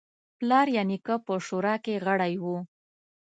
پلار یا نیکه په شورا کې غړی و.